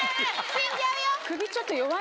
死んじゃうよ！